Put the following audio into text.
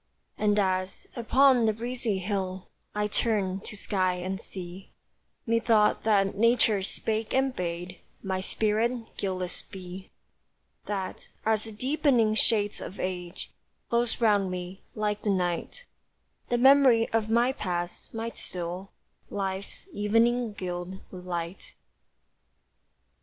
And as, upon the breezy hill, I turned to sky and sea, Methought that nature spake and bade My spirit guileless be, That, as the deepening shades of age Close round me, like the night, The memory of my past might still Life's evening gild with light.